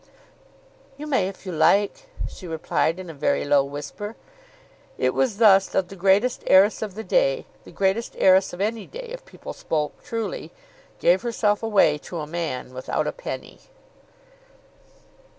"You may if you like," she replied in a very low whisper. It was thus that the greatest heiress of the day, the greatest heiress of any day if people spoke truly, gave herself away to a man without a penny.